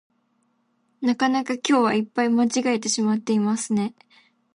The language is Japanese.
なかなか今日はいっぱい間違えてしまっていますね